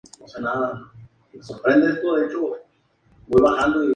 El doctor Aldo Sassi fue su principal responsable hasta su fallecimiento.